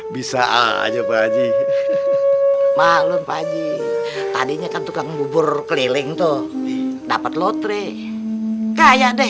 bisa aja pak haji maklum pak haji tadinya kan tukang bubur keliling tuh dapat lotre kaya deh